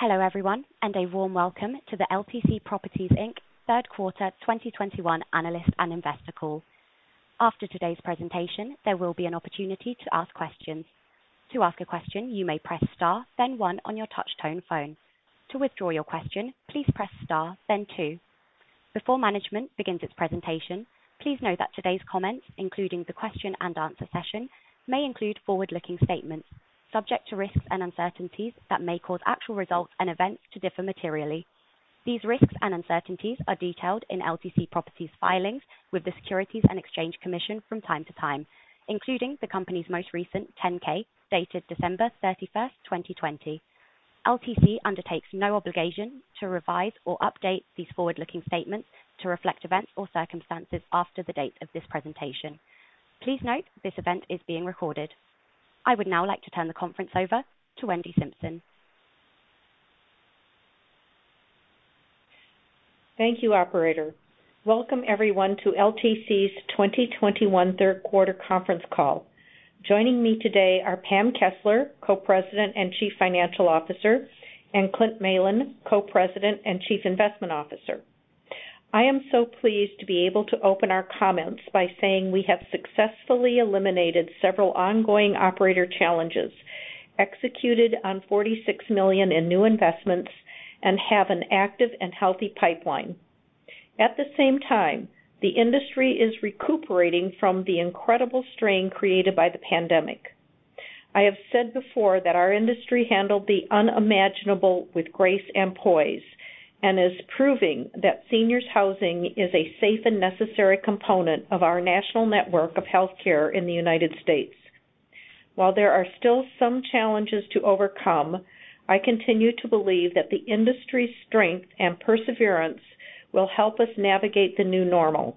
Hello everyone, and a warm welcome to the LTC Properties, Inc. Q3 2021 Analyst and Investor Call. After today's presentation, there will be an opportunity to ask questions. To ask a question, you may press star then one on your touchtone phone. To withdraw your question, please press star then two. Before management begins its presentation, please know that today's comments, including the question and answer session, may include forward-looking statements subject to risks and uncertainties that may cause actual results and events to differ materially. These risks and uncertainties are detailed in LTC Properties' filings with the Securities and Exchange Commission from time to time, including the company's most recent 10-K dated December 31st, 2020. LTC undertakes no obligation to revise or update these forward-looking statements to reflect events or circumstances after the date of this presentation. Please note this event is being recorded. I would now like to turn the conference over to Wendy Simpson. Thank you, operator. Welcome everyone to LTC's 2021 third quarter conference call. Joining me today are Pam Kessler, Co-President and Chief Financial Officer, and Clint Malin, Co-President and Chief Investment Officer. I am so pleased to be able to open our comments by saying we have successfully eliminated several ongoing operator challenges, executed on $46 million in new investments, and have an active and healthy pipeline. At the same time, the industry is recuperating from the incredible strain created by the pandemic. I have said before that our industry handled the unimaginable with grace and poise, and is proving that seniors housing is a safe and necessary component of our national network of healthcare in the United States. While there are still some challenges to overcome, I continue to believe that the industry's strength and perseverance will help us navigate the new normal.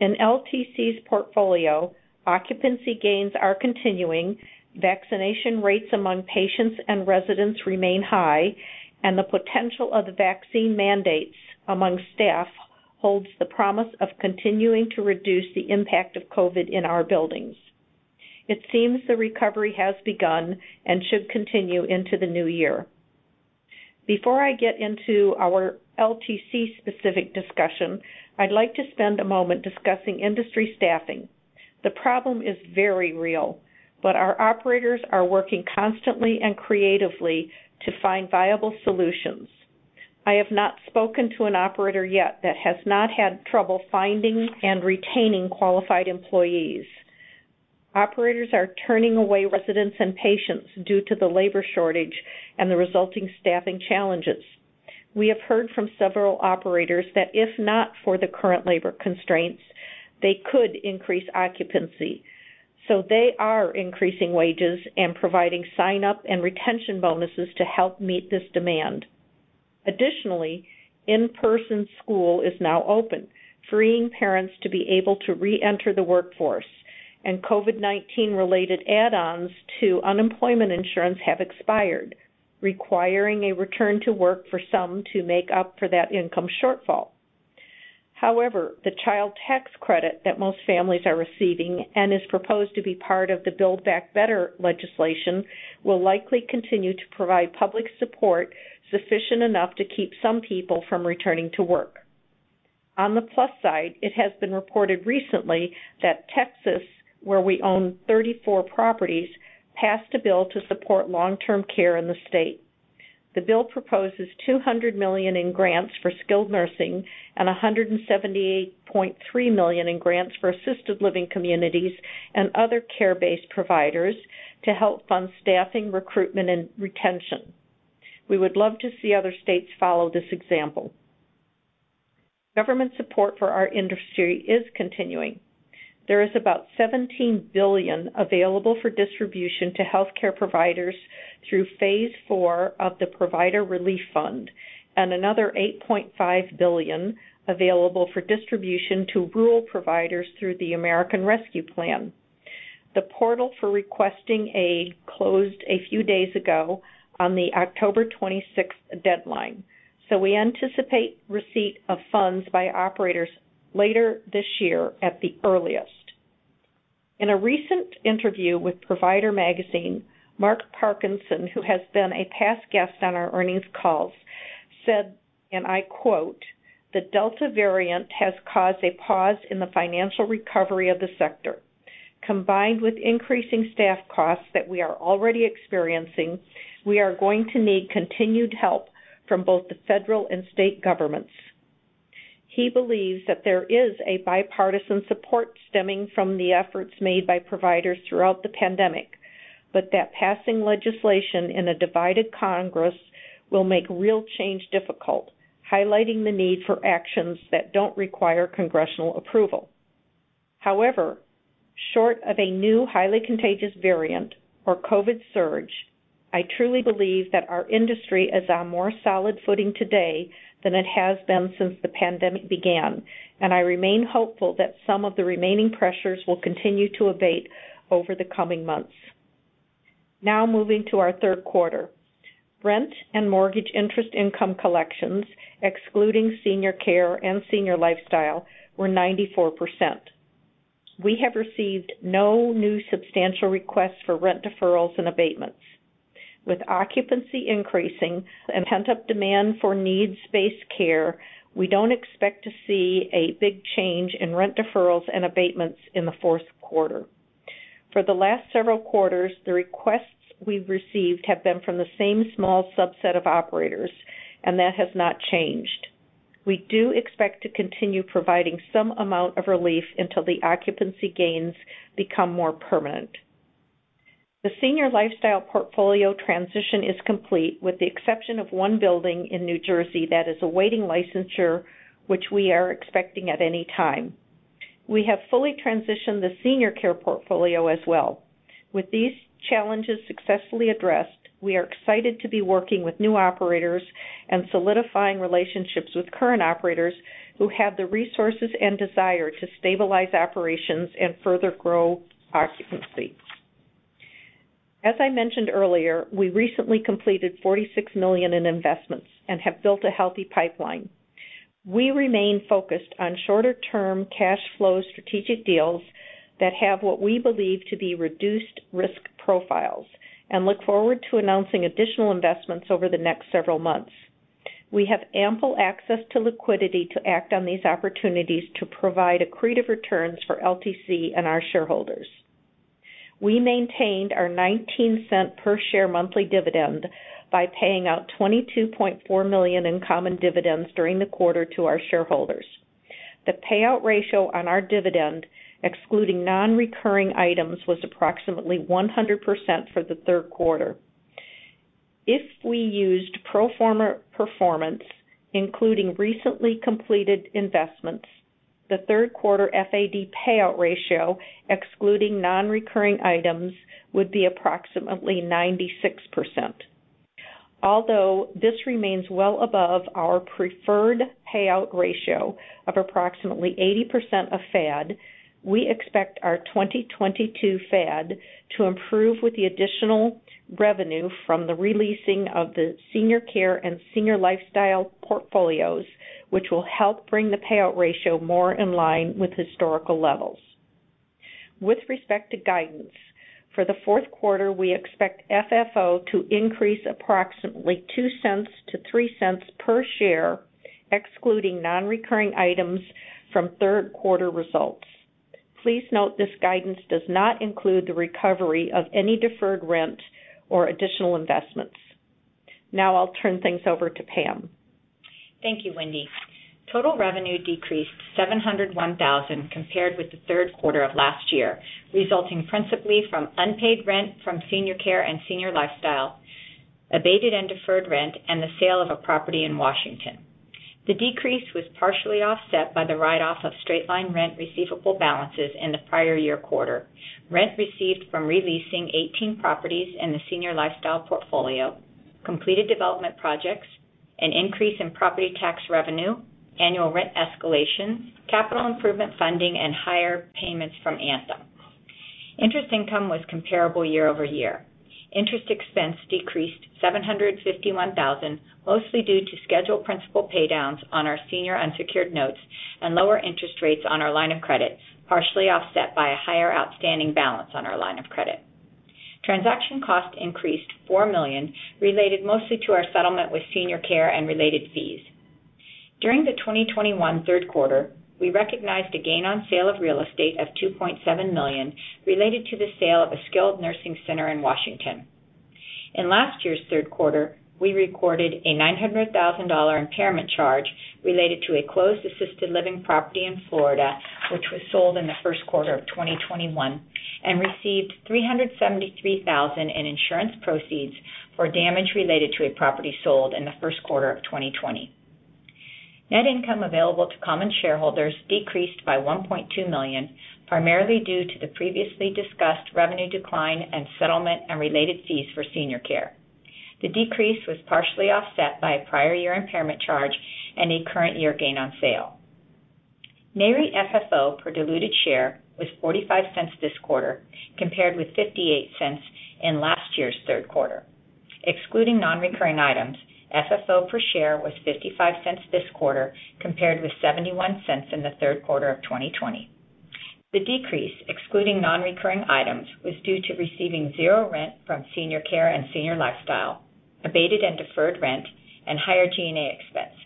In LTC's portfolio, occupancy gains are continuing, vaccination rates among patients and residents remain high, and the potential of vaccine mandates among staff holds the promise of continuing to reduce the impact of COVID in our buildings. It seems the recovery has begun and should continue into the new year. Before I get into our LTC specific discussion, I'd like to spend a moment discussing industry staffing. The problem is very real, but our operators are working constantly and creatively to find viable solutions. I have not spoken to an operator yet that has not had trouble finding and retaining qualified employees. Operators are turning away residents and patients due to the labor shortage and the resulting staffing challenges. We have heard from several operators that if not for the current labor constraints, they could increase occupancy, so they are increasing wages and providing sign-up and retention bonuses to help meet this demand. Additionally, in-person school is now open, freeing parents to be able to re-enter the workforce, and COVID-19 related add-ons to unemployment insurance have expired, requiring a return to work for some to make up for that income shortfall. However, the child tax credit that most families are receiving and is proposed to be part of the Build Back Better legislation, will likely continue to provide public support sufficient enough to keep some people from returning to work. On the plus side, it has been reported recently that Texas, where we own 34 properties, passed a bill to support long-term care in the state. The bill proposes $200 million in grants for skilled nursing and $178.3 million in grants for assisted living communities and other care-based providers to help fund staffing, recruitment, and retention. We would love to see other states follow this example. Government support for our industry is continuing. There is about $17 billion available for distribution to healthcare providers through phase four of the Provider Relief Fund and another $8.5 billion available for distribution to rural providers through the American Rescue Plan. The portal for requesting aid closed a few days ago on the October 26 deadline, so we anticipate receipt of funds by operators later this year at the earliest. In a recent interview with Provider Magazine, Mark Parkinson, who has been a past guest on our earnings calls, said, and I quote, "The Delta variant has caused a pause in the financial recovery of the sector. Combined with increasing staff costs that we are already experiencing, we are going to need continued help from both the federal and state governments." He believes that there is bipartisan support stemming from the efforts made by providers throughout the pandemic, but that passing legislation in a divided Congress will make real change difficult, highlighting the need for actions that don't require congressional approval. However, short of a new highly contagious variant or COVID surge, I truly believe that our industry is on more solid footing today than it has been since the pandemic began, and I remain hopeful that some of the remaining pressures will continue to abate over the coming months. Now moving to our third quarter. Rent and mortgage interest income collections, excluding Senior Care and Senior Lifestyle, were 94%. We have received no new substantial requests for rent deferrals and abatements. With occupancy increasing and pent-up demand for needs-based care, we don't expect to see a big change in rent deferrals and abatements in the fourth quarter. For the last several quarters, the requests we've received have been from the same small subset of operators, and that has not changed. We do expect to continue providing some amount of relief until the occupancy gains become more permanent. The Senior Lifestyle portfolio transition is complete, with the exception of one building in New Jersey that is awaiting licensure, which we are expecting at any time. We have fully transitioned the Senior Care portfolio as well. With these challenges successfully addressed, we are excited to be working with new operators and solidifying relationships with current operators who have the resources and desire to stabilize operations and further grow occupancy. As I mentioned earlier, we recently completed $46 million in investments and have built a healthy pipeline. We remain focused on shorter-term cash flow strategic deals that have what we believe to be reduced risk profiles and look forward to announcing additional investments over the next several months. We have ample access to liquidity to act on these opportunities to provide accretive returns for LTC and our shareholders. We maintained our $0.19 per share monthly dividend by paying out $22.4 million in common dividends during the quarter to our shareholders. The payout ratio on our dividend, excluding non-recurring items, was approximately 100% for the third quarter. If we used pro forma performance, including recently completed investments, the third quarter FAD payout ratio, excluding non-recurring items, would be approximately 96%. Although this remains well above our preferred payout ratio of approximately 80% of FAD, we expect our 2022 FAD to improve with the additional revenue from the re-leasing of the Senior Care and Senior Lifestyle portfolios, which will help bring the payout ratio more in line with historical levels. With respect to guidance, for the fourth quarter, we expect FFO to increase approximately $0.02-$0.03 per share, excluding non-recurring items from third quarter results. Please note this guidance does not include the recovery of any deferred rent or additional investments. Now I'll turn things over to Pam. Thank you, Wendy. Total revenue decreased $701 thousand compared with the third quarter of last year, resulting principally from unpaid rent from Senior Care and Senior Lifestyle, abated and deferred rent, and the sale of a property in Washington. The decrease was partially offset by the write-off of straight-line rent receivable balances in the prior year quarter, rent received from re-leasing 18 properties in the Senior Lifestyle portfolio, completed development projects, an increase in property tax revenue, annual rent escalation, capital improvement funding, and higher payments from Anthem. Interest income was comparable year-over-year. Interest expense decreased $751 thousand, mostly due to scheduled principal pay-downs on our senior unsecured notes and lower interest rates on our line of credit, partially offset by a higher outstanding balance on our line of credit. Transaction costs increased $4 million, related mostly to our settlement with Senior Care and related fees. During the 2021 third quarter, we recognized a gain on sale of real estate of $2.7 million related to the sale of a skilled nursing center in Washington. In last year's third quarter, we recorded a $900,000 impairment charge related to a closed assisted living property in Florida, which was sold in the first quarter of 2021, and received $373,000 in insurance proceeds for damage related to a property sold in the first quarter of 2020. Net income available to common shareholders decreased by $1.2 million, primarily due to the previously discussed revenue decline and settlement and related fees for Senior Care. The decrease was partially offset by a prior year impairment charge and a current year gain on sale. NAREIT FFO per diluted share was $0.45 this quarter, compared with $0.58 in last year's third quarter. Excluding non-recurring items, FFO per share was $0.55 this quarter, compared with $0.71 in the third quarter of 2020. The decrease, excluding non-recurring items, was due to receiving zero rent from Senior Care and Senior Lifestyle, abated and deferred rent, and higher G&A expense.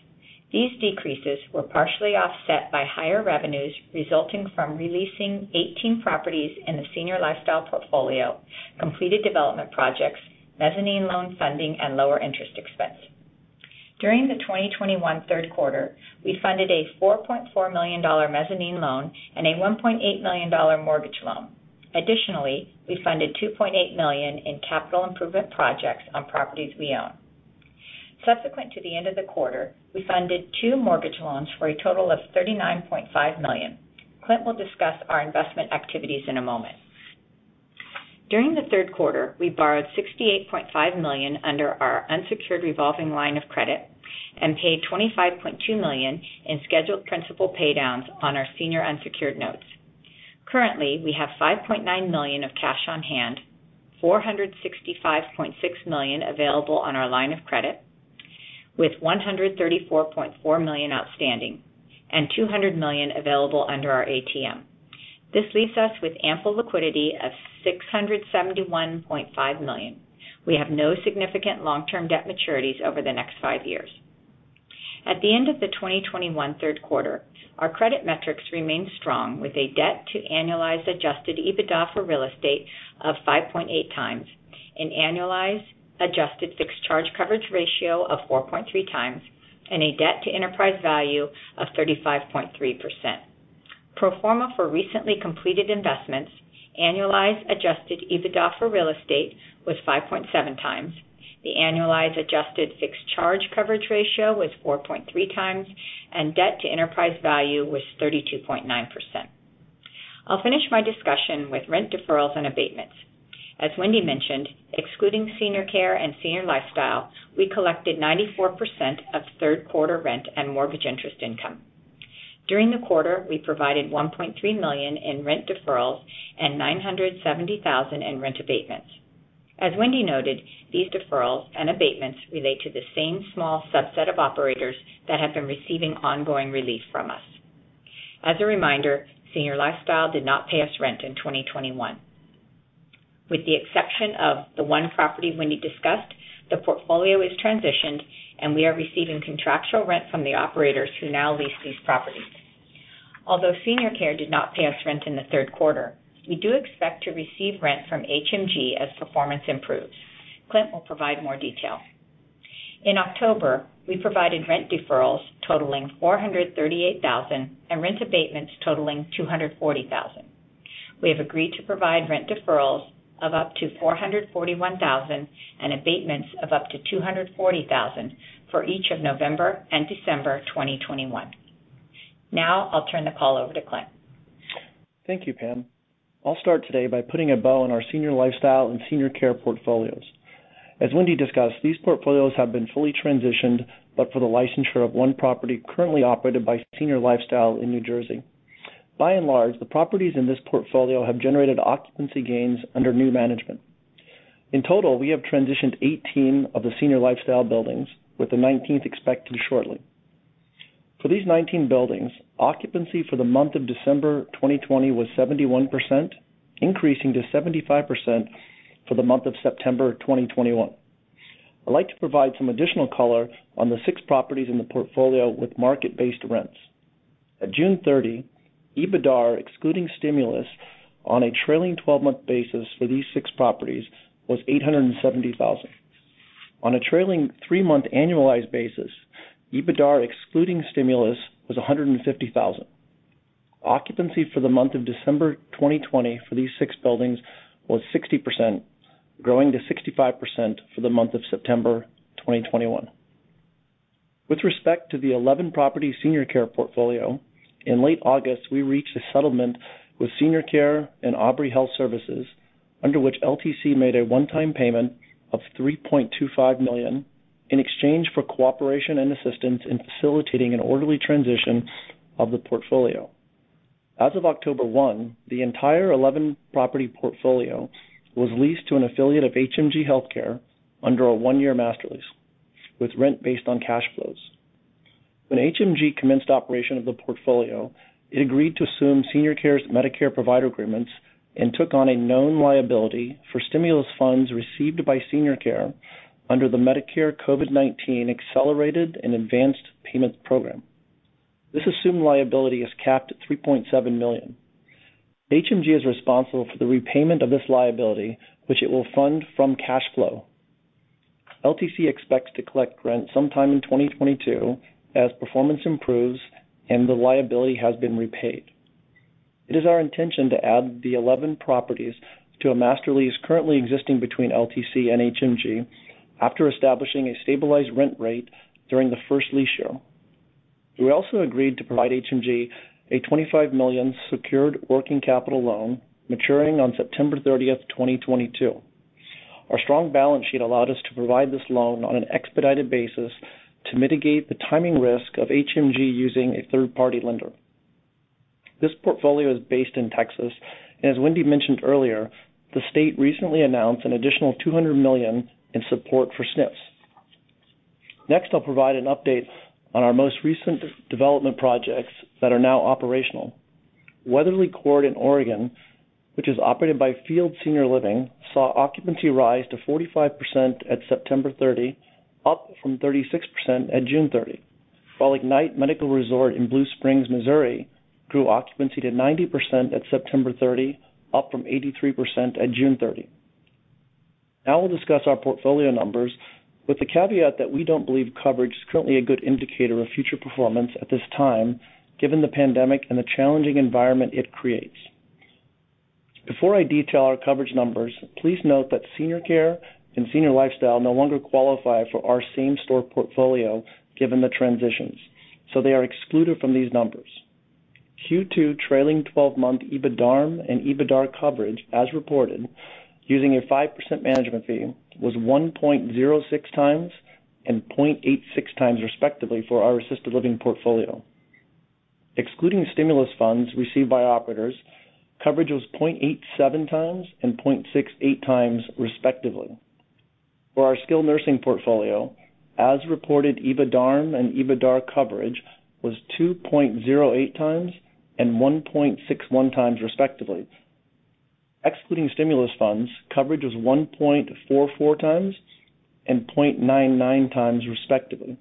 These decreases were partially offset by higher revenues resulting from re-leasing 18 properties in the Senior Lifestyle portfolio, completed development projects, mezzanine loan funding, and lower interest expense. During the 2021 third quarter, we funded a $4.4 million mezzanine loan and a $1.8 million mortgage loan. Additionally, we funded $2.8 million in capital improvement projects on properties we own. Subsequent to the end of the quarter, we funded two mortgage loans for a total of $39.5 million. Clint will discuss our investment activities in a moment. During the third quarter, we borrowed $68.5 million under our unsecured revolving line of credit and paid $25.2 million in scheduled principal pay downs on our senior unsecured notes. Currently, we have $5.9 million of cash on hand, $465.6 million available on our line of credit, with $134.4 million outstanding and $200 million available under our ATM. This leaves us with ample liquidity of $671.5 million. We have no significant long-term debt maturities over the next five years. At the end of the 2021 third quarter, our credit metrics remained strong, with a debt to annualized adjusted EBITDA for real estate of 5.8x, an annualized adjusted fixed charge coverage ratio of 4.3x, and a debt to enterprise value of 35.3%. Pro forma for recently completed investments, annualized adjusted EBITDA for real estate was 5.7x, the annualized adjusted fixed charge coverage ratio was 4.3x, and debt to enterprise value was 32.9%. I'll finish my discussion with rent deferrals and abatements. As Wendy mentioned, excluding Senior Care and Senior Lifestyle, we collected 94% of third quarter rent and mortgage interest income. During the quarter, we provided $1.3 million in rent deferrals and $970,000 in rent abatements. As Wendy noted, these deferrals and abatements relate to the same small subset of operators that have been receiving ongoing relief from us. As a reminder, Senior Lifestyle did not pay us rent in 2021. With the exception of the one property Wendy discussed, the portfolio is transitioned, and we are receiving contractual rent from the operators who now lease these properties. Although Senior Care did not pay us rent in the third quarter, we do expect to receive rent from HMG as performance improves. Clint will provide more detail. In October, we provided rent deferrals totaling $438,000 and rent abatements totaling $240,000. We have agreed to provide rent deferrals of up to $441,000 and abatements of up to $240,000 for each of November and December 2021. Now I'll turn the call over to Clint. Thank you, Pam. I'll start today by putting a bow on our Senior Lifestyle and Senior Care portfolios. As Wendy discussed, these portfolios have been fully transitioned, but for the licensure of one property currently operated by Senior Lifestyle in New Jersey. By and large, the properties in this portfolio have generated occupancy gains under new management. In total, we have transitioned 18 of the Senior Lifestyle buildings, with the 19th expected shortly. For these 19 buildings, occupancy for the month of December 2020 was 71%, increasing to 75% for the month of September 2021. I'd like to provide some additional color on the six properties in the portfolio with market-based rents. At June 30, EBIDAR, excluding stimulus on a trailing twelve-month basis for these six properties, was $870,000. On a trailing three-month annualized basis, EBIDAR, excluding stimulus, was $150,000. Occupancy for the month of December 2020 for these six buildings was 60%, growing to 65% for the month of September 2021. With respect to the 11-property Senior Care portfolio, in late August, we reached a settlement with Senior Care and Abri Health Services, under which LTC made a one-time payment of $3.25 million in exchange for cooperation and assistance in facilitating an orderly transition of the portfolio. As of October 1, the entire 11-property portfolio was leased to an affiliate of HMG Healthcare under a one-year master lease with rent based on cash flows. When HMG commenced operation of the portfolio, it agreed to assume Senior Care's Medicare provider agreements and took on a known liability for stimulus funds received by Senior Care under the Medicare COVID-19 Accelerated and Advance Payments Program. This assumed liability is capped at $3.7 million. HMG is responsible for the repayment of this liability, which it will fund from cash flow. LTC expects to collect rent sometime in 2022 as performance improves and the liability has been repaid. It is our intention to add the 11 properties to a master lease currently existing between LTC and HMG after establishing a stabilized rent rate during the first lease year. We also agreed to provide HMG a $25 million secured working capital loan maturing on September 30th, 2022. Our strong balance sheet allowed us to provide this loan on an expedited basis to mitigate the timing risk of HMG using a third-party lender. This portfolio is based in Texas, and as Wendy mentioned earlier, the state recently announced an additional $200 million in support for SNFs. Next, I'll provide an update on our most recent development projects that are now operational. Weatherly Court in Oregon, which is operated by Fields Senior Living, saw occupancy rise to 45% at September 30, up from 36% at June 30. While Ignite Medical Resorts in Blue Springs, Missouri, grew occupancy to 90% at September 30, up from 83% at June 30. Now we'll discuss our portfolio numbers with the caveat that we don't believe coverage is currently a good indicator of future performance at this time, given the pandemic and the challenging environment it creates. Before I detail our coverage numbers, please note that Senior Care and Senior Lifestyle no longer qualify for our same store portfolio, given the transitions, so they are excluded from these numbers. Q2 trailing-twelve-month EBITDARM and EBITDAR coverage, as reported using a 5% management fee, was 1.06x and 0.86x, respectively, for our assisted living portfolio. Excluding stimulus funds received by operators, coverage was 0.87x and 0.68x respectively. For our skilled nursing portfolio, as reported, EBITDARM and EBITDAR coverage was 2.08x and 1.61x respectively. Excluding stimulus funds, coverage was 1.44x and 0.99x respectively.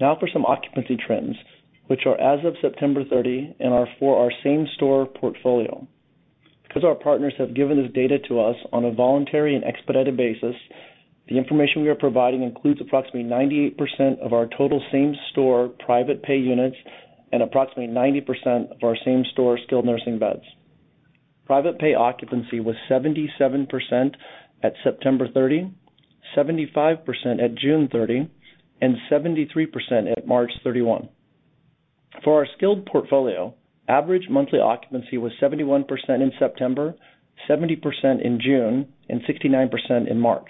Now for some occupancy trends, which are as of September 30 and are for our same store portfolio. Because our partners have given this data to us on a voluntary and expedited basis, the information we are providing includes approximately 98% of our total same store private pay units and approximately 90% of our same store skilled nursing beds. Private pay occupancy was 77% at September 30, 75% at June 30, and 73% at March 31. For our skilled portfolio, average monthly occupancy was 71% in September, 70% in June, and 69% in March.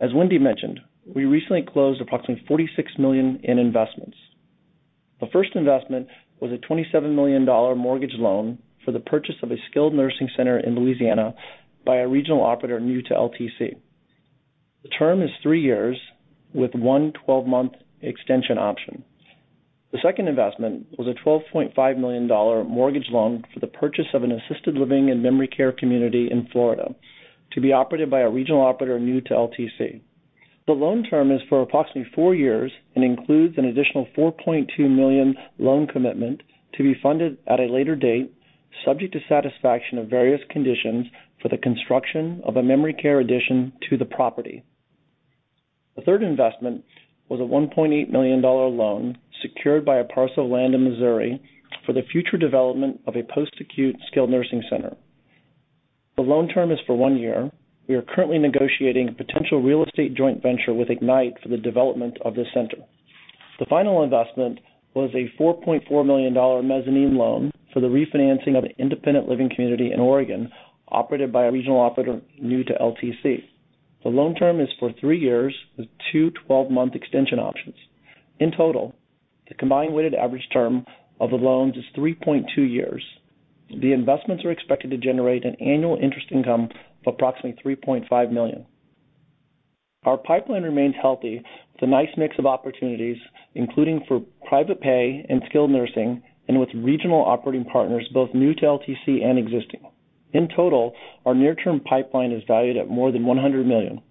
As Wendy mentioned, we recently closed approximately $46 million in investments. The first investment was a $27 million mortgage loan for the purchase of a skilled nursing center in Louisiana by a regional operator new to LTC. The term is three years with one 12-month extension option. The second investment was a $12.5 million mortgage loan for the purchase of an assisted living and memory care community in Florida to be operated by a regional operator new to LTC. The loan term is for approximately four years and includes an additional $4.2 million loan commitment to be funded at a later date, subject to satisfaction of various conditions for the construction of a memory care addition to the property. The third investment was a $1.8 million loan secured by a parcel of land in Missouri for the future development of a post-acute skilled nursing center. The loan term is for one year. We are currently negotiating a potential real estate joint venture with Ignite for the development of this center. The final investment was a $4.4 million mezzanine loan for the refinancing of an independent living community in Oregon, operated by a regional operator new to LTC. The loan term is for three years with two 12-month extension options. In total, the combined weighted average term of the loans is 3.2 years. The investments are expected to generate an annual interest income of approximately $3.5 million. Our pipeline remains healthy with a nice mix of opportunities, including for private pay and skilled nursing, and with regional operating partners, both new to LTC and existing. In total, our near-term pipeline is valued at more than $100 million.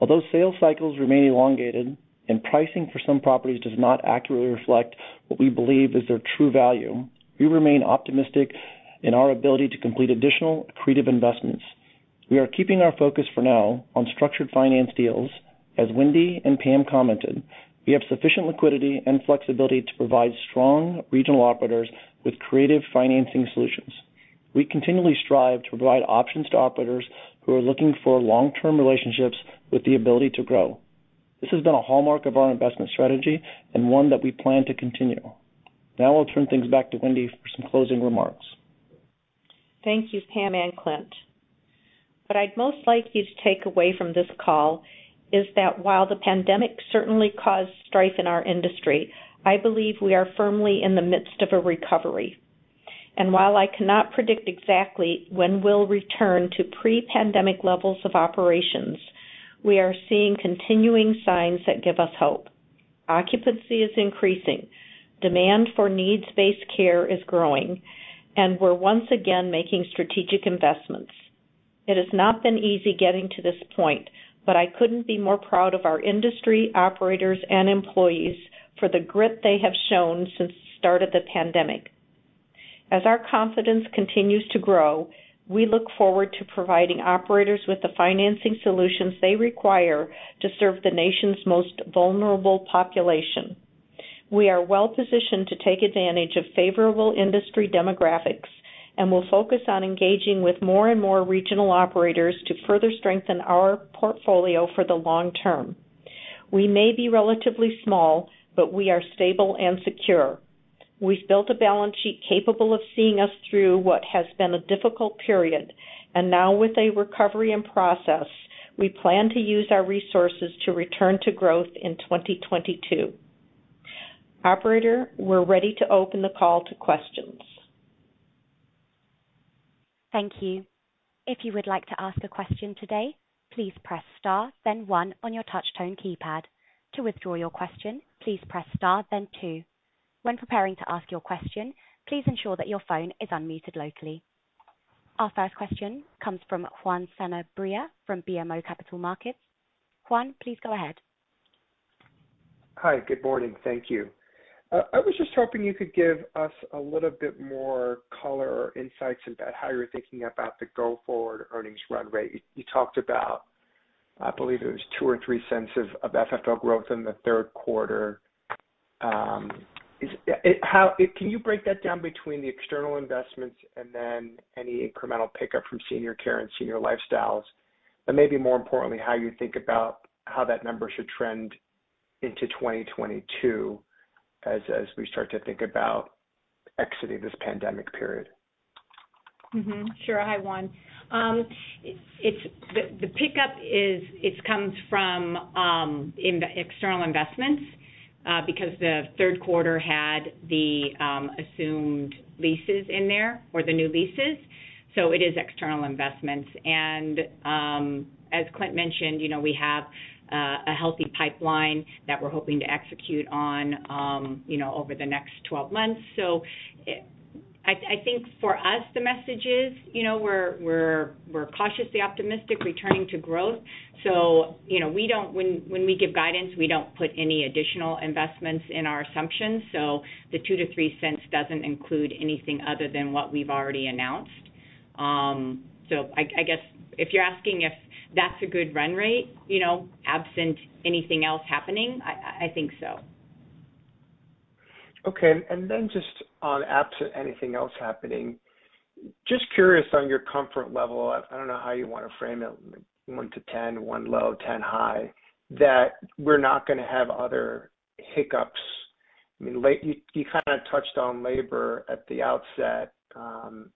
Although sales cycles remain elongated and pricing for some properties does not accurately reflect what we believe is their true value, we remain optimistic in our ability to complete additional accretive investments. We are keeping our focus for now on structured finance deals. As Wendy and Pam commented, we have sufficient liquidity and flexibility to provide strong regional operators with creative financing solutions. We continually strive to provide options to operators who are looking for long-term relationships with the ability to grow. This has been a hallmark of our investment strategy and one that we plan to continue. Now I'll turn things back to Wendy for some closing remarks. Thank you, Pam and Clint. What I'd most like you to take away from this call is that while the pandemic certainly caused strife in our industry, I believe we are firmly in the midst of a recovery. While I cannot predict exactly when we'll return to pre-pandemic levels of operations, we are seeing continuing signs that give us hope. Occupancy is increasing, demand for needs-based care is growing, and we're once again making strategic investments. It has not been easy getting to this point, but I couldn't be more proud of our industry, operators, and employees for the grit they have shown since the start of the pandemic. As our confidence continues to grow, we look forward to providing operators with the financing solutions they require to serve the nation's most vulnerable population. We are well-positioned to take advantage of favorable industry demographics, and we'll focus on engaging with more and more regional operators to further strengthen our portfolio for the long term. We may be relatively small, but we are stable and secure. We've built a balance sheet capable of seeing us through what has been a difficult period, and now with a recovery in process, we plan to use our resources to return to growth in 2022. Operator, we're ready to open the call to questions. Thank you. If you'd like to ask a question today, please press star then one on your touchtone keypad. To withdraw your question, please press star then two. When you want to ask your question, please ensure your phone is on mute. Our first question comes from Juan Sanabria from BMO Capital Markets. Juan, please go ahead. Hi, good morning. Thank you. I was just hoping you could give us a little bit more color or insights about how you're thinking about the go-forward earnings run rate. You talked about, I believe it was $0.02-$0.03 of FFO growth in the third quarter. Can you break that down between the external investments and then any incremental pickup from Senior Care and Senior Lifestyle? Maybe more importantly, how you think about how that number should trend into 2022 as we start to think about exiting this pandemic period? Sure. Hi, Juan. The pickup is it comes from external investments because the third quarter had the assumed leases in there or the new leases. It is external investments. As Clint mentioned, you know, we have a healthy pipeline that we're hoping to execute on, you know, over the next 12 months. I think for us, the message is, you know, we're cautiously optimistic returning to growth. You know, when we give guidance, we don't put any additional investments in our assumptions. The $0.02-$0.03 doesn't include anything other than what we've already announced. I guess if you're asking if that's a good run rate, you know, absent anything else happening, I think so. Okay. Just on absent anything else happening, just curious on your comfort level, I don't know how you wanna frame it, one to 10, one low, 10 high, that we're not gonna have other hiccups. I mean, you kind of touched on labor at the outset.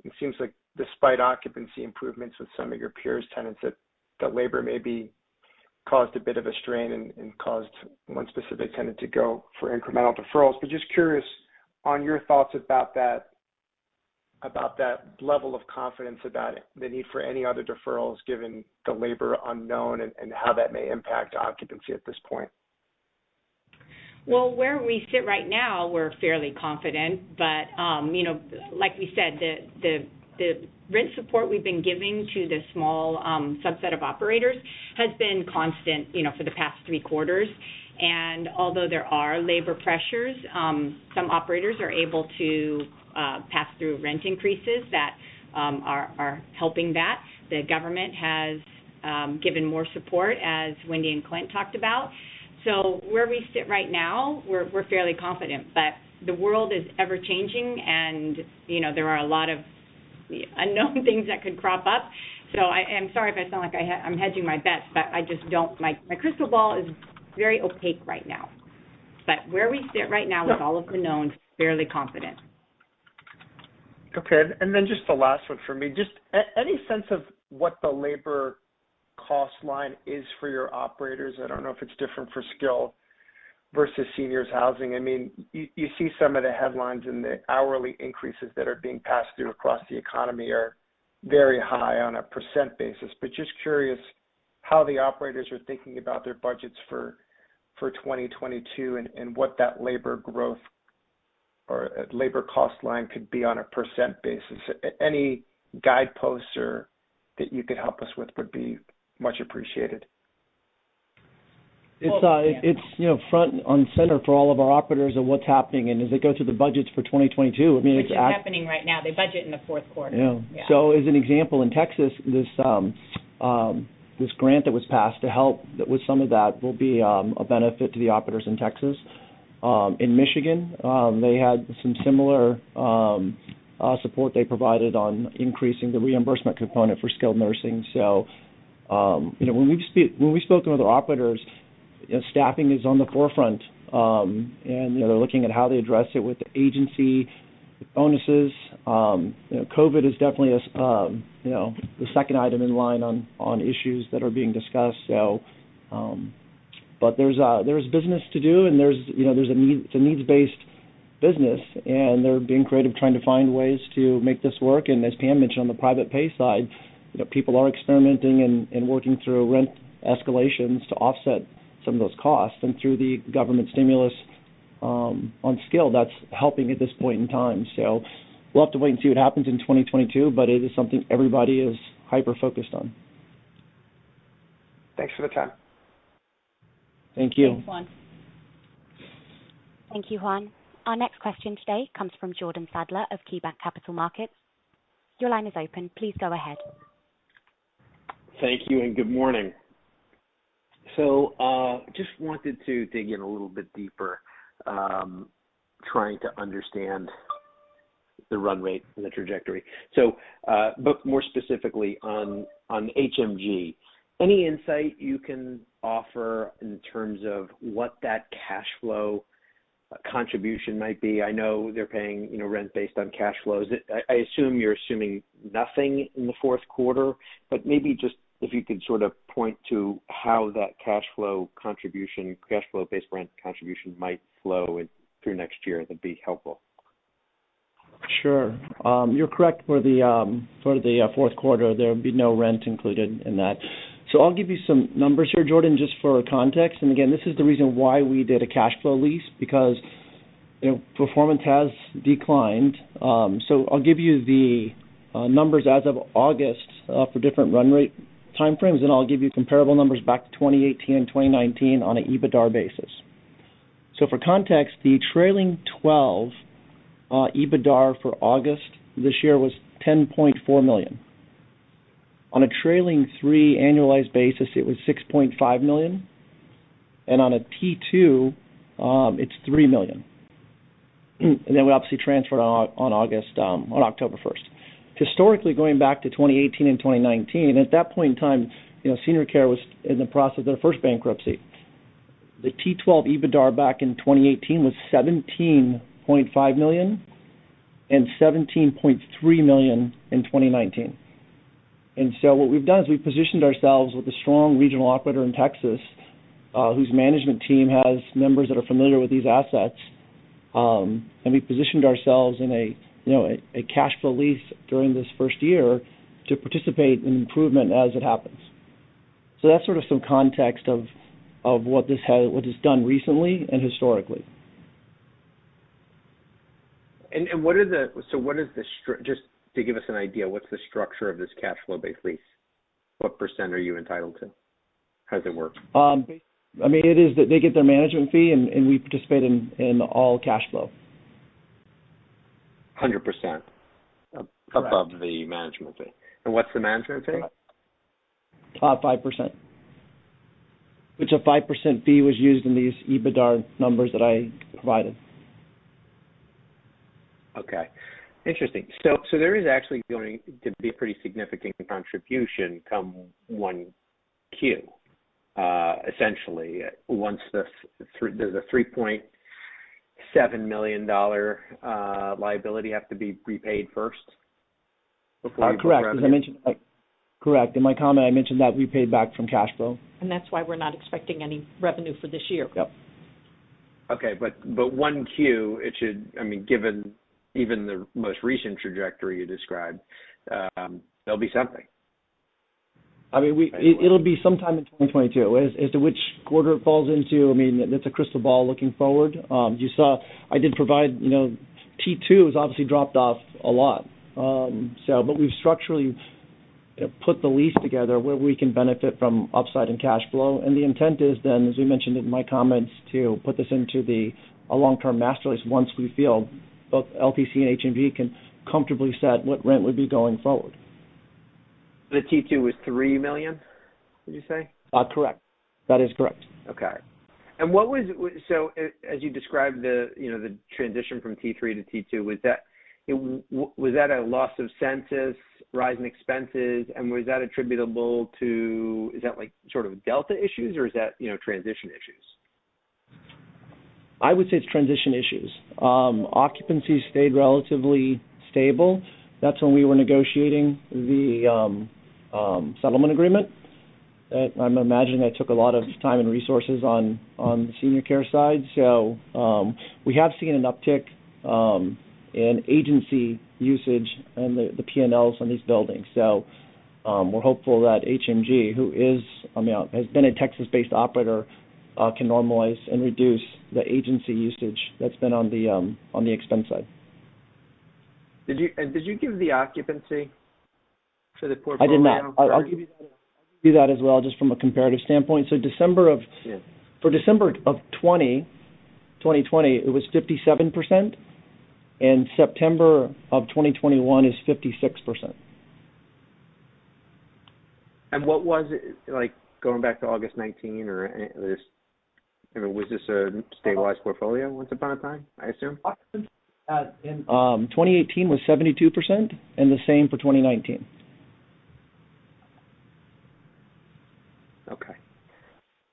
It seems like despite occupancy improvements with some of your peers tenants that labor maybe caused a bit of a strain and caused one specific tenant to go for incremental deferrals. Just curious on your thoughts about that level of confidence about the need for any other deferrals given the labor unknown and how that may impact occupancy at this point. Well, where we sit right now, we're fairly confident. You know, like we said, the rent support we've been giving to the small subset of operators has been constant, you know, for the past three quarters. Although there are labor pressures, some operators are able to pass through rent increases that are helping that. The government has given more support, as Wendy and Clint talked about. Where we sit right now, we're fairly confident. The world is ever-changing, and you know, there are a lot of unknown things that could crop up. I am sorry if I sound like I'm hedging my bets. My crystal ball is very opaque right now. Where we sit right now with all of the knowns, we're fairly confident. Okay. Just the last one for me. Just any sense of what the labor cost line is for your operators? I don't know if it's different for skilled versus seniors housing. I mean, you see some of the headlines and the hourly increases that are being passed through across the economy are very high on a percent basis. Just curious how the operators are thinking about their budgets for 2022 and what that labor growth or labor cost line could be on a percent basis. Any guideposts or that you could help us with would be much appreciated. Well- It's, you know, front and center for all of our operators of what's happening. As they go through the budgets for 2022, I mean, it- Which is happening right now. They budget in the fourth quarter. Yeah. As an example, in Texas, this grant that was passed to help with some of that will be a benefit to the operators in Texas. In Michigan, they had some similar support they provided on increasing the reimbursement component for skilled nursing. You know, when we spoke to other operators, you know, staffing is on the forefront. You know, they're looking at how they address it with agency bonuses. You know, COVID is definitely you know, the second item in line on issues that are being discussed. But there's business to do, and there's you know, it's a needs-based business, and they're being creative trying to find ways to make this work. As Pam mentioned on the private pay side, you know, people are experimenting and working through rent escalations to offset some of those costs. Through the government stimulus, on scale, that's helping at this point in time. We'll have to wait and see what happens in 2022, but it is something everybody is hyper-focused on. Thanks for the time. Thank you. Thanks, Juan. Thank you, Juan. Our next question today comes from Jordan Sadler of KeyBanc Capital Markets. Your line is open. Please go ahead. Thank you and good morning. Just wanted to dig in a little bit deeper, trying to understand the run rate and the trajectory. More specifically on HMG, any insight you can offer in terms of what that cash flow contribution might be? I know they're paying, you know, rent based on cash flows. I assume you're assuming nothing in the fourth quarter? But maybe just, if you could sort of point to how that cash flow contribution, cash flow-based rent contribution might flow through next year, that'd be helpful. Sure. You're correct for the fourth quarter, there would be no rent included in that. I'll give you some numbers here, Jordan, just for context. Again, this is the reason why we did a cash flow lease because, you know, performance has declined. I'll give you the numbers as of August for different run rate time frames, and I'll give you comparable numbers back to 2018 and 2019 on an EBITDA basis. For context, the trailing 12 EBITDA for August this year was $10.4 million. On a trailing three annualized basis, it was $6.5 million. On a T2, it's $3 million. We obviously transferred on October 1st. Historically, going back to 2018 and 2019, at that point in time, you know, Senior Care was in the process of their first bankruptcy. The T12 EBITDA back in 2018 was $17.5 million and $17.3 million in 2019. What we've done is we've positioned ourselves with a strong regional operator in Texas, whose management team has members that are familiar with these assets. We positioned ourselves in a, you know, a cashflow lease during this first year to participate in improvement as it happens. That's sort of some context of what it's done recently and historically. Just to give us an idea, what's the structure of this cash flow-based lease? What percent are you entitled to? How does it work? I mean, it is that they get their management fee and we participate in all cash flow. 100% above the management fee. What's the management fee? About 5%, which a 5% fee was used in these EBITDA numbers that I provided. Okay. Interesting. There is actually going to be a pretty significant contribution come 1Q, essentially once this $3.7 million liability has to be prepaid first before you- Correct. In my comment, I mentioned that we paid back from cash flow. That's why we're not expecting any revenue for this year. Yep. Okay. 1Q, I mean, given even the most recent trajectory you described, there'll be something. I mean, it'll be sometime in 2022. As to which quarter it falls into, I mean, it's a crystal ball looking forward. You saw I did provide, you know, T2 has obviously dropped off a lot. But we've structurally put the lease together where we can benefit from upside in cash flow. The intent is then, as we mentioned in my comments, to put this into a long-term master lease once we feel both LTC and HMG can comfortably set what rent would be going forward. The T2 was $3 million, would you say? Correct. That is correct. Okay. As you described the, you know, the transition from T3 to T2, was that a loss of census, rising expenses? Was that attributable to, is that like sort of delta issues, or is that, you know, transition issues? I would say it's transition issues. Occupancy stayed relatively stable. That's when we were negotiating the settlement agreement. I'm imagining that took a lot of time and resources on the Senior Care side. We have seen an uptick in agency usage and the P&Ls on these buildings. We're hopeful that HMG, who is, I mean, has been a Texas-based operator, can normalize and reduce the agency usage that's been on the expense side. Did you give the occupancy for the portfolio? I did not. I'll give you that. I'll give you that as well just from a comparative standpoint. December of- For December of 2020, it was 57%. In September of 2021 is 56%. What was it like going back to August 2019 or any of this, you know, was this a stabilized portfolio once upon a time, I assume? In 2018 was 72% and the same for 2019. Okay.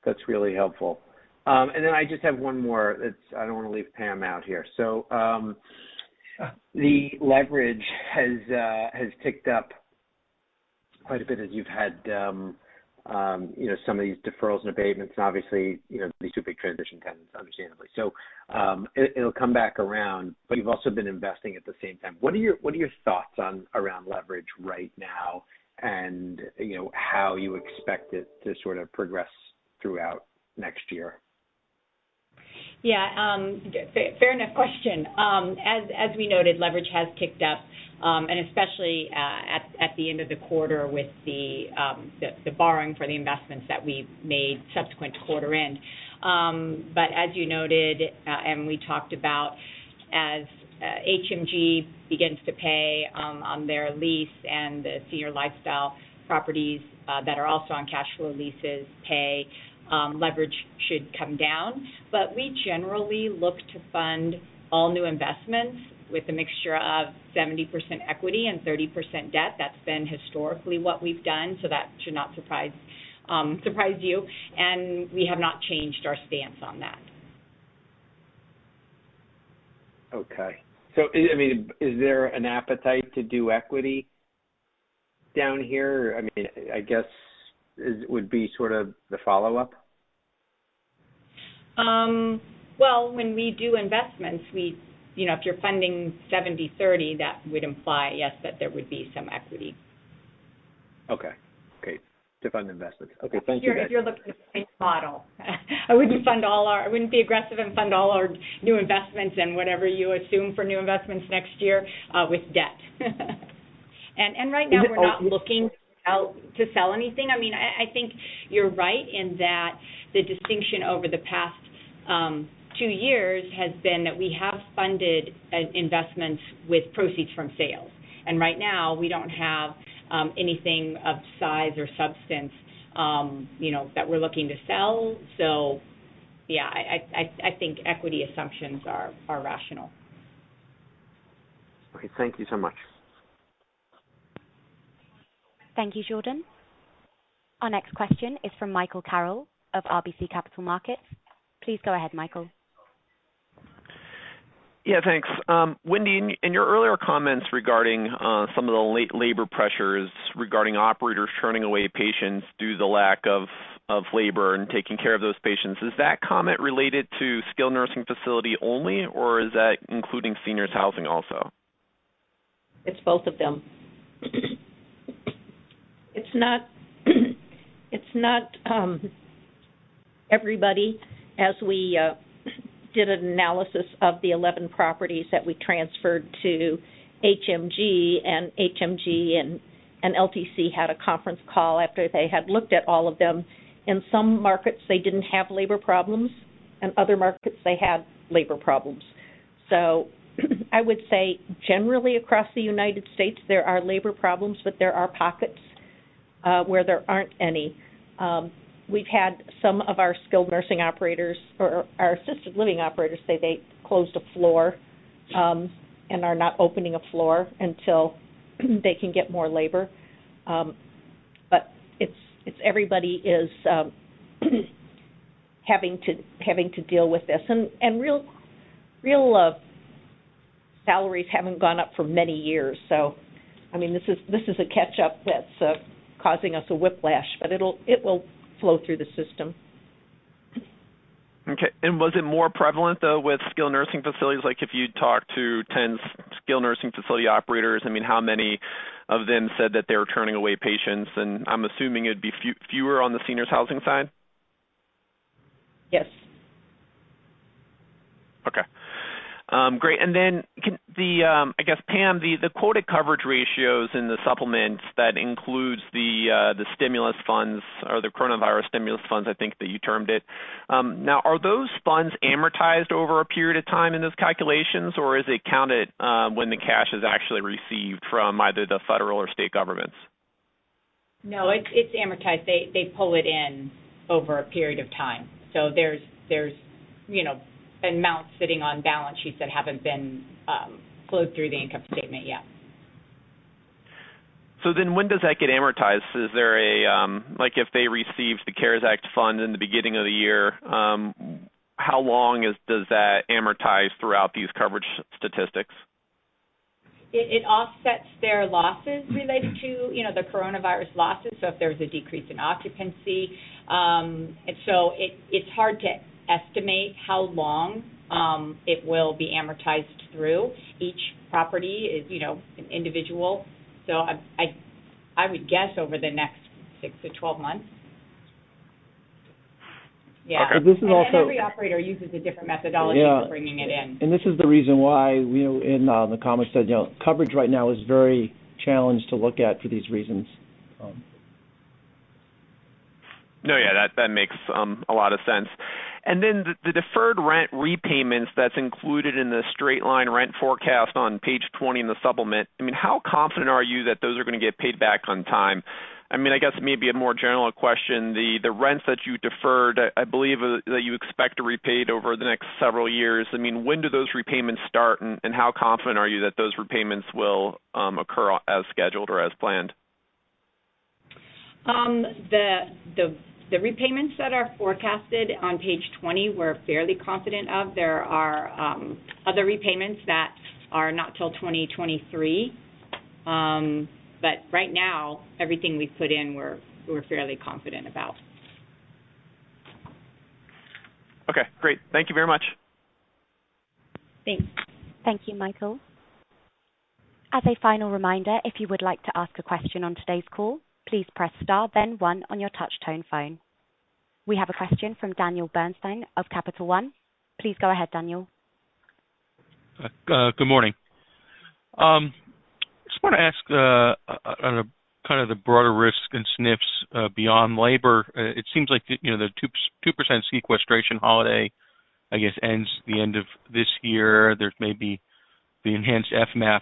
That's really helpful. Then I just have one more. I don't want to leave Pam out here. The leverage has ticked up quite a bit as you've had, you know, some of these deferrals and abatements, obviously, you know, these two big transition tenants, understandably. It'll come back around, but you've also been investing at the same time. What are your thoughts around leverage right now and, you know, how you expect it to sort of progress throughout next year? Yeah. Fair enough question. As we noted, leverage has ticked up, and especially at the end of the quarter with the borrowing for the investments that we made subsequent to quarter end. As you noted, and we talked about as HMG begins to pay on their lease and the Senior Lifestyle properties that are also on cash flow leases pay, leverage should come down. We generally look to fund all new investments with a mixture of 70% equity and 30% debt. That's been historically what we've done, so that should not surprise you. We have not changed our stance on that. I mean, is there an appetite to do equity down here? I mean, I guess would be sort of the follow-up. When we do investments, you know, if you're funding 70/30, that would imply, yes, that there would be some equity. Okay. Great. To fund investments. Okay. Thank you, guys. If you're looking at the same model. I wouldn't be aggressive and fund all our new investments and whatever you assume for new investments next year with debt. Right now we're not looking to sell anything. I mean, I think you're right in that the distinction over the past two years has been that we have funded investments with proceeds from sales. Right now we don't have anything of size or substance you know that we're looking to sell. Yeah, I think equity assumptions are rational. Okay. Thank you so much. Thank you, Jordan. Our next question is from Michael Carroll of RBC Capital Markets. Please go ahead, Michael. Yeah, thanks. Wendy, in your earlier comments regarding some of the labor pressures regarding operators turning away patients due to the lack of labor and taking care of those patients, is that comment related to skilled nursing facility only, or is that including seniors housing also? It's both of them. It's not everybody as we did an analysis of the 11 properties that we transferred to HMG, and HMG and LTC had a conference call after they had looked at all of them. In some markets, they didn't have labor problems, and other markets they had labor problems. I would say generally across the United States, there are labor problems, but there are pockets where there aren't any. We've had some of our skilled nursing operators or our assisted living operators say they closed a floor and are not opening a floor until they can get more labor. But it's everybody is having to deal with this. Real salaries haven't gone up for many years. I mean, this is a catch-up that's causing us a whiplash, but it will flow through the system. Okay. Was it more prevalent, though, with skilled nursing facilities? Like, if you talk to 10 skilled nursing facility operators, I mean, how many of them said that they were turning away patients? I'm assuming it'd be fewer on the seniors housing side? Yes. Okay. Great. Can the, I guess, Pam, the quoted coverage ratios in the supplements that includes the stimulus funds or the coronavirus stimulus funds, I think that you termed it. Now, are those funds amortized over a period of time in those calculations, or is it counted when the cash is actually received from either the federal or state governments? No, it's amortized. They pull it in over a period of time. There's, you know, an amount sitting on balance sheets that haven't been flowed through the income statement yet. When does that get amortized? Is there a, like, if they received the CARES Act fund in the beginning of the year, how long does that amortize throughout these coverage statistics? It offsets their losses related to, you know, the coronavirus losses, so if there's a decrease in occupancy. It's hard to estimate how long it will be amortized through. Each property is, you know, individual. I would guess over the next six to 12 months. Yeah. Okay. This is also. Every operator uses a different methodology for bringing it in. This is the reason why, you know, in the comments said, you know, coverage right now is very challenged to look at for these reasons. No, yeah, that makes a lot of sense. The deferred rent repayments that's included in the straight-line rent forecast on page 20 in the supplement. I mean, how confident are you that those are gonna get paid back on time? I mean, I guess maybe a more general question, the rents that you deferred, I believe, that you expect to repaid over the next several years. I mean, when do those repayments start, and how confident are you that those repayments will occur as scheduled or as planned? The repayments that are forecasted on page 20, we're fairly confident of. There are other repayments that are not till 2023. Right now, everything we've put in we're fairly confident about. Okay, great. Thank you very much. Thanks. Thank you, Michael. As a final reminder, if you would like to ask a question on today's call, please press star then one on your touch tone phone. We have a question from Daniel Bernstein of Capital One. Please go ahead, Daniel. Good morning. Just wanna ask, on a kind of the broader risk in SNFs, beyond labor. It seems like the, you know, the 2% sequestration holiday, I guess, ends at the end of this year. There's maybe the enhanced FMAP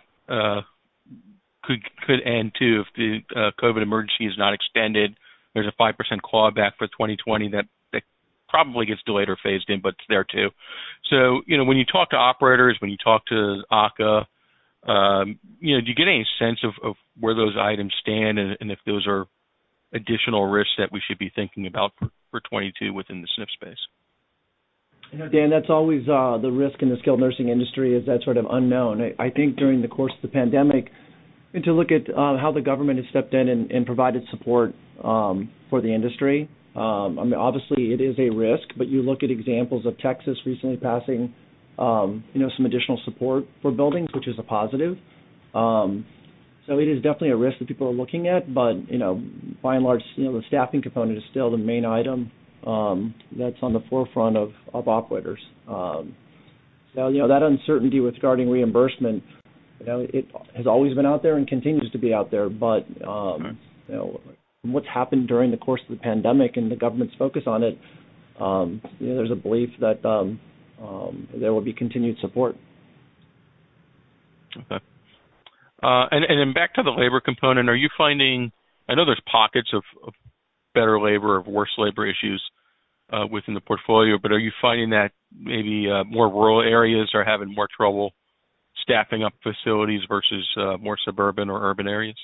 could end too if the COVID emergency is not extended. There's a 5% clawback for 2020 that probably gets delayed or phased in, but it's there too. You know, when you talk to operators, when you talk to AHCA, you know, do you get any sense of where those items stand and if those are additional risks that we should be thinking about for 2022 within the SNF space? You know, Dan, that's always the risk in the skilled nursing industry, is that sort of unknown. I think during the course of the pandemic, and to look at how the government has stepped in and provided support for the industry. I mean, obviously it is a risk, but you look at examples of Texas recently passing you know, some additional support for buildings, which is a positive. So it is definitely a risk that people are looking at. But you know, by and large, you know, the staffing component is still the main item that's on the forefront of operators. So you know, that uncertainty with regard to reimbursement, you know, it has always been out there and continues to be out there. You know, what's happened during the course of the pandemic and the government's focus on it, you know, there's a belief that there will be continued support. Okay. Back to the labor component, are you finding I know there's pockets of better labor or worse labor issues within the portfolio, but are you finding that maybe more rural areas are having more trouble staffing up facilities versus more suburban or urban areas?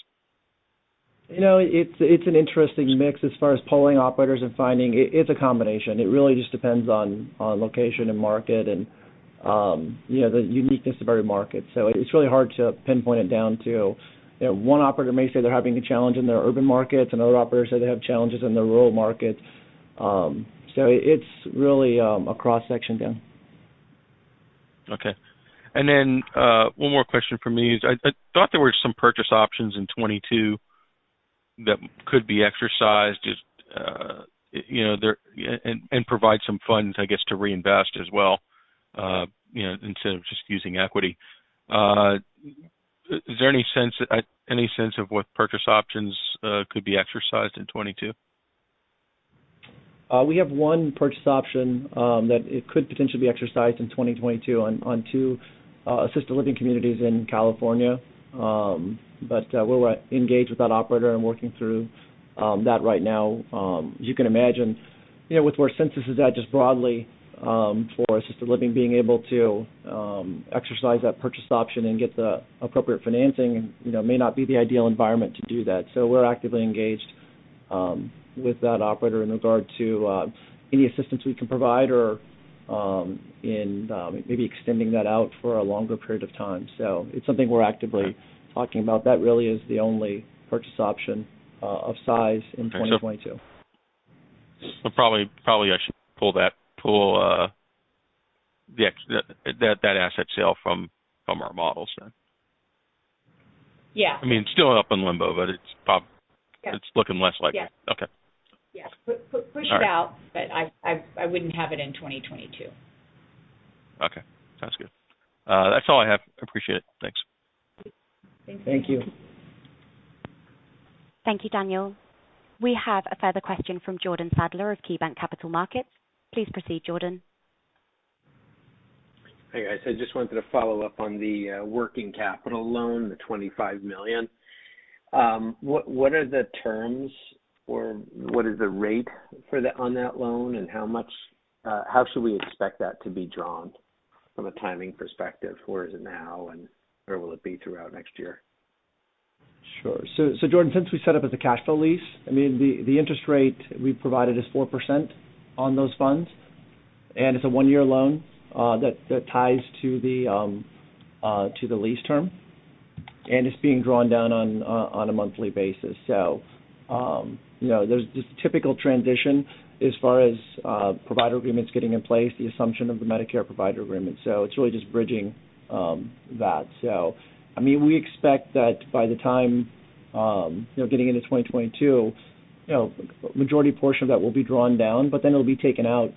You know, it's an interesting mix as far as polling operators. It's a combination. It really just depends on location and market and, you know, the uniqueness of every market. So it's really hard to pinpoint it down to. You know, one operator may say they're having a challenge in their urban markets, another operator say they have challenges in the rural markets. So it's really a cross-section, Dan. Okay. One more question from me is I thought there were some purchase options in 2022 that could be exercised, you know, and provide some funds, I guess, to reinvest as well, you know, instead of just using equity. Is there any sense of what purchase options could be exercised in 2022? We have one purchase option that it could potentially be exercised in 2022 on two assisted living communities in California. We're engaged with that operator and working through that right now. You can imagine, you know, with where census is at just broadly for assisted living being able to exercise that purchase option and get the appropriate financing, you know, may not be the ideal environment to do that. We're actively engaged with that operator in regard to any assistance we can provide or in maybe extending that out for a longer period of time. It's something we're actively talking about. That really is the only purchase option of size in 2022. Probably I should pull that asset sale from our models then. Yeah. I mean, it's still up in limbo, but it's probably. Yeah. It's looking less likely. Yeah. Okay. Yeah. Push it out. I wouldn't have it in 2022. Okay. Sounds good. That's all I have. Appreciate it. Thanks. Thank you. Thank you. Thank you, Daniel. We have a further question from Jordan Sadler of KeyBanc Capital Markets. Please proceed, Jordan. Hey, guys. I just wanted to follow up on the working capital loan, the $25 million. What are the terms or what is the rate for that loan, and how should we expect that to be drawn from a timing perspective? Where is it now, and where will it be throughout next year? Sure. Jordan, since we set up as a cash flow lease, I mean, the interest rate we provided is 4% on those funds, and it's a one-year loan, that ties to the lease term, and it's being drawn down on a monthly basis. You know, there's this typical transition as far as provider agreements getting in place, the assumption of the Medicare provider agreement. It's really just bridging that. I mean, we expect that by the time, you know, getting into 2022, you know, majority portion of that will be drawn down, but then it'll be taken out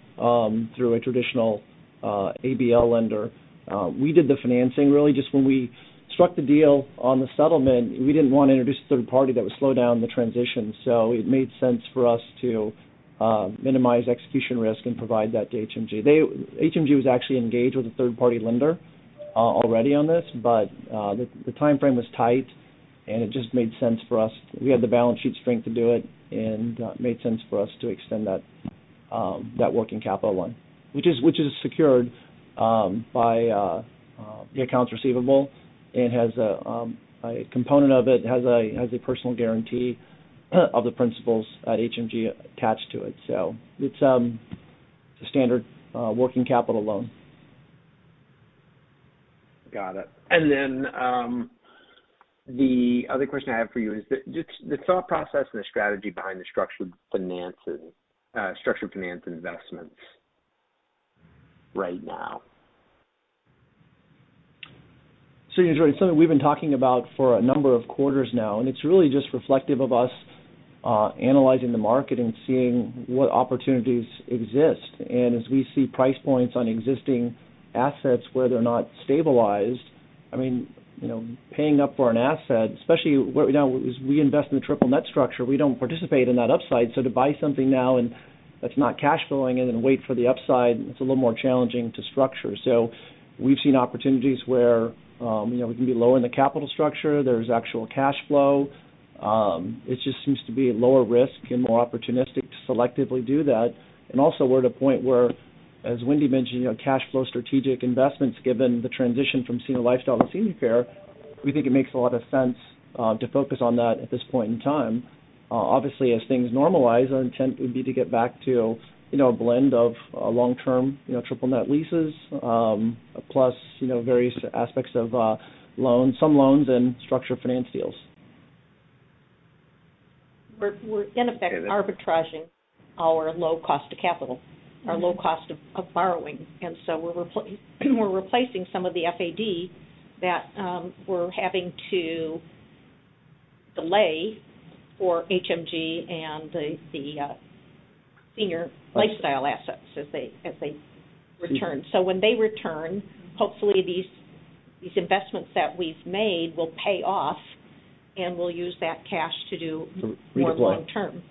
through a traditional ABL lender. We did the financing really just when we struck the deal on the settlement. We didn't wanna introduce a third party that would slow down the transition. It made sense for us to minimize execution risk and provide that to HMG. HMG was actually engaged with a third party lender already on this, but the timeframe was tight, and it just made sense for us. We had the balance sheet strength to do it, and made sense for us to extend that working capital loan, which is secured by the accounts receivable and has a component of it, has a personal guarantee of the principal's HMG attached to it. It's a standard working capital loan. Got it. The other question I have for you is the thought process and the strategy behind the structured finance investments right now. It's something we've been talking about for a number of quarters now, and it's really just reflective of us analyzing the market and seeing what opportunities exist. As we see price points on existing assets, whether or not stabilized, I mean, you know, paying up for an asset, especially what we know is we invest in the triple net structure, we don't participate in that upside. To buy something now and that's not cash flowing and then wait for the upside, it's a little more challenging to structure. We've seen opportunities where, you know, we can be low in the capital structure. There's actual cash flow. It just seems to be lower risk and more opportunistic to selectively do that. Also we're at a point where, as Wendy mentioned, you know, cash flow strategic investments, given the transition from Senior Lifestyle to Senior Care, we think it makes a lot of sense to focus on that at this point in time. Obviously, as things normalize, our intent would be to get back to, you know, a blend of long-term triple net leases, plus, you know, various aspects of loans, some loans and structured finance deals. We're in effect arbitraging our low cost of capital, our low cost of borrowing. We're replacing some of the FAD that we're having to delay for HMG and the Senior Lifestyle assets as they return. When they return, hopefully these investments that we've made will pay off, and we'll use that cash to do- Redeploy more long-term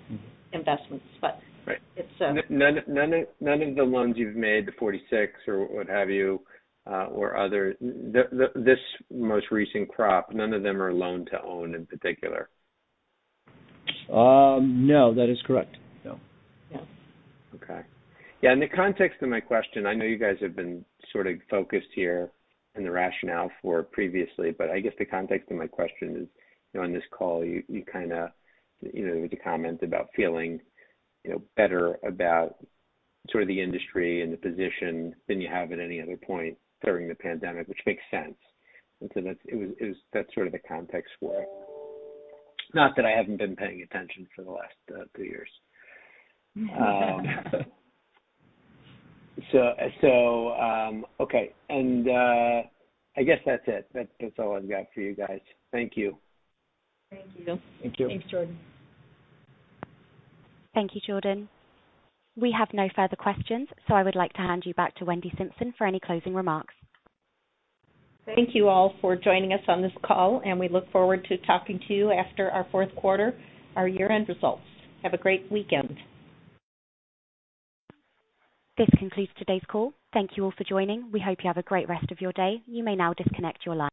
investments, but It's, uh... None of the loans you've made, the 46 or what have you, or other. This most recent crop, none of them are loan to own in particular? No, that is correct. No. Yeah. Okay. Yeah, in the context of my question, I know you guys have been sort of focused here in the rationale for previously, but I guess the context of my question is, you know, on this call, you kinda, you know, with the comment about feeling, you know, better about sort of the industry and the position than you have at any other point during the pandemic, which makes sense. That's sort of the context for it. Not that I haven't been paying attention for the last two years. Okay. I guess that's it. That's all I've got for you guys. Thank you. Thank you. Thank you. Thanks, Jordan. Thank you, Jordan. We have no further questions, so I would like to hand you back to Wendy Simpson for any closing remarks. Thank you all for joining us on this call, and we look forward to talking to you after our fourth quarter, our year-end results. Have a great weekend. This concludes today's call. Thank you all for joining. We hope you have a great rest of your day. You may now disconnect your line.